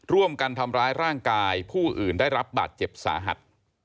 ร่วมกันทำร้ายร่างกายผู้อื่นได้รับบาดเจ็บสาหัส